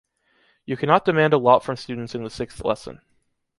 You cannot demand a lot from students in the sixth lesson.